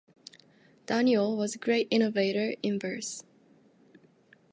Daniel was a great innovator in verse.